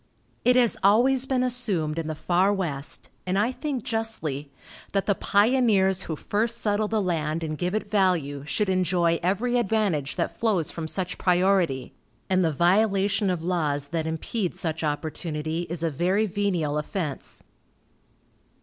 It has always been assumed in the far West, and I think justly, that the pioneers who first settle the land and give it value should enjoy every advantage that flows from such priority, and the violation of laws that impede such opportunity is a very venial offense.